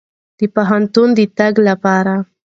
د پوهنتون د تګ لپاره.